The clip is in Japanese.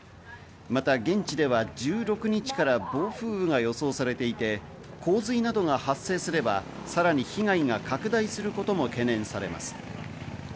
また現地では１６日から暴風雨が予想されていて洪水などが発生すればさらに被害が拡大することも懸念されます。